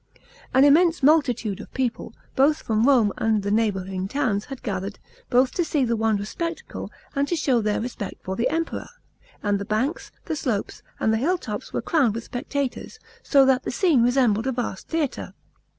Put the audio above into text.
An immense multitude of people, both from Home and the neigh bouring towns, had gathered, both to see the wonderful spectacle, and to show their res|>ect for the Emperor ; and the banks, the slopes, and the hill tops were crowded with spectators, so that the scene resembled a vast theatre.